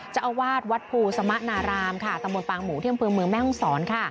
เจ้าอาวาสวัดภูร์สมะนารามตะโมนปางหมูเที่ยวเมืองแม่ห้องศร